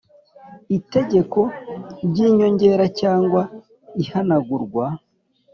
itegeko ry inyongera cyangwa ihanagurwa